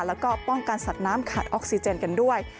แล้วก็ป้องกันสัตว์น้ำขาดออกซิเจนกันด้วย